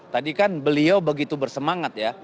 tadi kan beliau begitu bersemangat ya